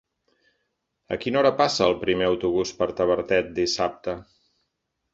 A quina hora passa el primer autobús per Tavertet dissabte?